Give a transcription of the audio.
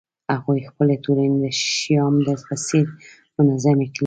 هغوی خپلې ټولنې د شیام په څېر منظمې کړې